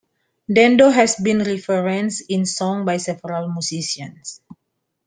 Dando has been referenced in song by several musicians.